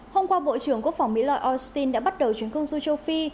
hôm qua bộ trưởng quốc phòng mỹ lloyd austin đã bắt đầu chuyến công du châu phi